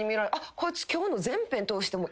こいつ今日の。